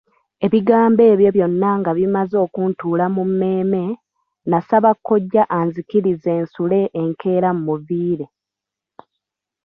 Ebigambo ebyo byonna nga bimaze okuntuula mu mmeeme, nasaba kkojja anzikirize nsule enkeera mmuviire.